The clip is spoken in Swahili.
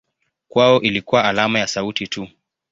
Kwao ilikuwa alama ya sauti tu.